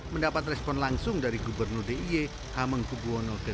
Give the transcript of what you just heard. mendapat respon langsung dari gubernur d i e hamengkubuono ke sepuluh